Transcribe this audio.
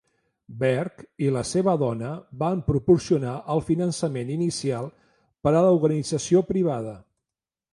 Bergh i la seva dona van proporcionar el finançament inicial per a l'organització privada.